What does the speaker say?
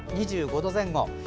２５度前後。